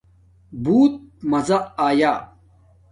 بُݹت ماذا آیݴ